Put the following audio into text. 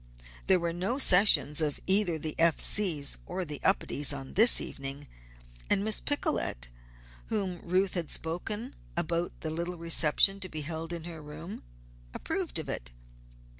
There were no sessions of either the F. C.'s or the Upedes on this evening, and Miss Picolet, to whom Ruth had spoken about the little reception to be held in her room, approved of it.